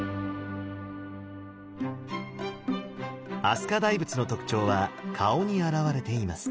飛鳥大仏の特徴は顔に表れています。